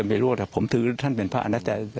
แต่ไม่รู้นะครับผมถือท่านเป็นภาครับ